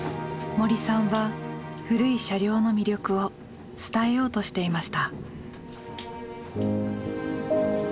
森さんは古い車両の魅力を伝えようとしていました。